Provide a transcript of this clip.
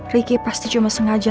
ricky pasti cuma sengaja